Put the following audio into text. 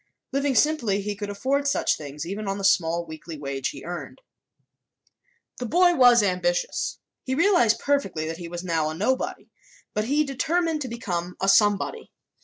Living simply, he could afford such things, even on the small weekly wage he earned. The boy was ambitious. He realized perfectly that he was now a nobody, but he determined to become a somebody.